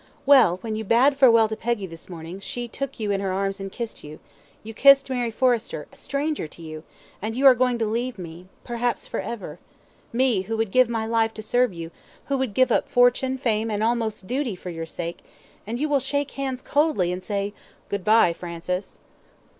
"Well, when you bade farewell to Peggy this morning, she took you in her arms and kissed you you kissed Mary Forrester, a stranger to you and you are going to leave me perhaps for ever me, who would give my life to serve you, who would give up fortune, fame, almost duty for your sake, and you will shake hands coldly, and say 'Good bye, Francis.'"